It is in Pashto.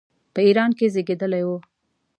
په ایران کې زېږېدلی وو.